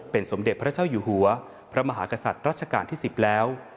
เป็นสมเด็จพระเจ้าอยู่หัวพระมหากษัตริย์รัชกาลที่๑๐แล้ว